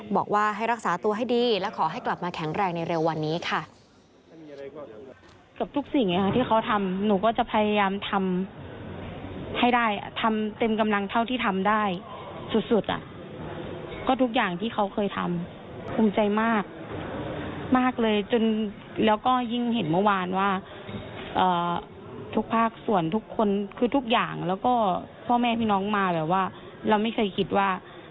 บอกว่าให้รักษาตัวให้ดีและขอให้กลับมาแข็งแรงในเร็ววันนี้ค่ะ